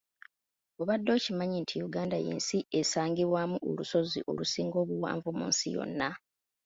Obadde okimanyi nti Uganda y’ensi esangibwaamu olusozi olusinga obuwanvu mu nsi yonna.